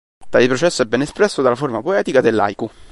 Tale processo è ben espresso dalla forma poetica dell"'haiku".